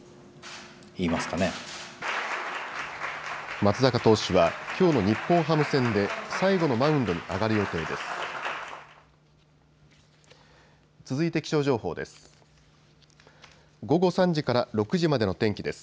松坂投手はきょうの日本ハム戦で最後のマウンドに上がる予定です。